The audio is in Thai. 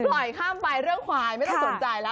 ปล่อยข้ามไปเรื่องควายไม่ต้องสนใจแล้ว